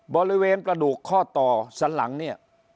บริเวณกระดูกข้อต่อสันหลังเนี่ย